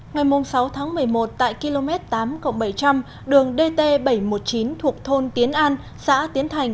ngày sáu tháng một mươi một tại km tám bảy trăm linh đường dt bảy trăm một mươi chín thuộc thôn tiến an xã tiến thành